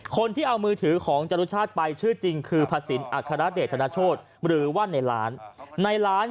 คนที่เอามือถือของจรุชาติไปชื่อจริงคือพระสินอัครเดชธนโชธหรือว่าในร้านในร้าน